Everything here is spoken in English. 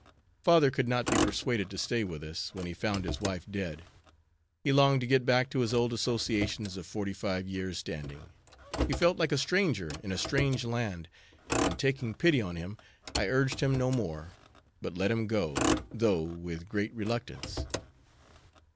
Father could not be persuaded to stay with us, when he found his wife dead; he longed to get back to his old associations of forty five years standing, he felt like a stranger in a strange land, and taking pity on him, I urged him no more, but let him go, though with great reluctance.